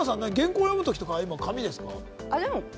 原稿を読むときは紙ですか？